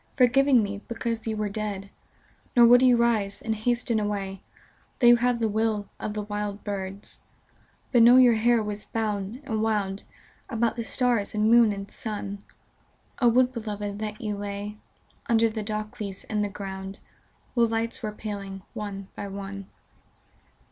Forgiving me, because you were dead : Nor would you rise and hasten away, Though you have the will of the wild birds, But know your hair was bound and wound About the stars and moon and sun : O Would beloved that you lay Under the dock leaves in the ground, While lights were paling one by on§.